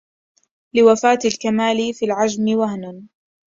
لوفاة الكمال في العجم وهن